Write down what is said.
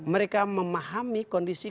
mereka memahami kondisi